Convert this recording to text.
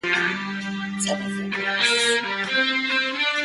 Timothy Rees.